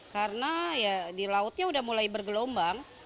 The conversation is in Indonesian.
karena di lautnya sudah mulai bergelombang